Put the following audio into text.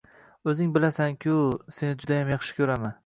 Oʻzi bilasanku, sani judayam yaxshi koʻraman.